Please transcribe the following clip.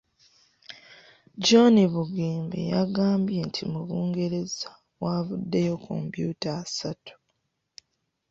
John Bugembe, yagambye nti mu Bungereza, waavuddeyo computer asatu.